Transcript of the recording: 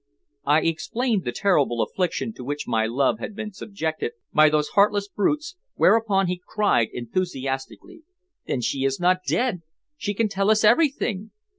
I explained the terrible affliction to which my love had been subjected by those heartless brutes, whereupon he cried enthusiastically: "Then she is not dead! She can tell us everything!"